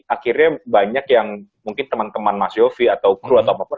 akhirnya banyak yang mungkin teman teman mas yofi atau kru atau apapun